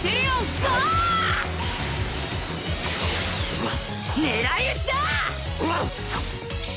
うわっ！